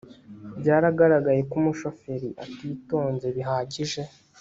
byaragaragaye ko umushoferi atitonze bihagije